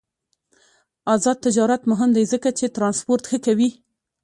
آزاد تجارت مهم دی ځکه چې ترانسپورت ښه کوي.